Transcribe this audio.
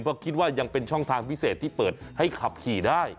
เพราะคิดว่ายังเป็นช่องทางพิเศษที่เปิดให้ขับขี่ได้